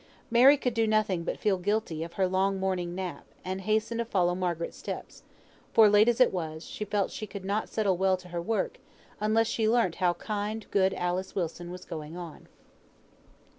Mary could do nothing but feel guilty of her long morning nap, and hasten to follow Margaret's steps; for late as it was, she felt she could not settle well to her work, unless she learnt how kind good Alice Wilson was going on.